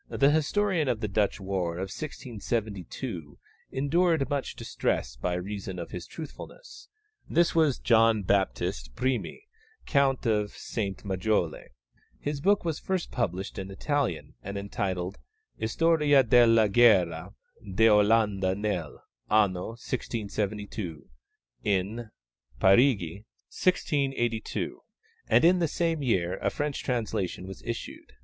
The historian of the Dutch war of 1672 endured much distress by reason of his truthfulness. This was John Baptist Primi, Count of Saint Majole. His book was first published in Italian, and entitled Historia della guerra d'Olanda nell' anno 1672 (In Parigi, 1682), and in the same year a French translation was issued.